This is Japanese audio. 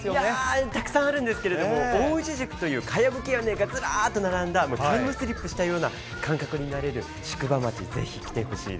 いやー、たくさんあるんですけれども、おおうちじくというかやぶき屋根がずらーっと並んだ、タイムスリップしたような、感覚になれる宿場町、ぜひ来てください。